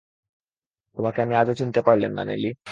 তোমাকে আমি আজও চিনতে পারলেম না, নেলি।